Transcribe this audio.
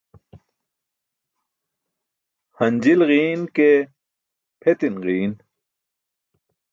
Hanjil ġiin ke pʰetin ġiin.